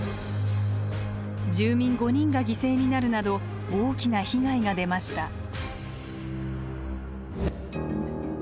住民５人が犠牲になるなど大きな被害が出ました。